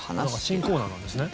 新コーナーなんですね。